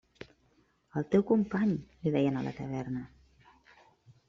El teu company! –li deien a la taverna.